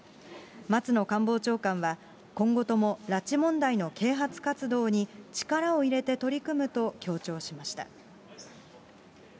松野官房長官は、今後とも拉致問題の啓発活動に力を入れて取り組むと強調しました。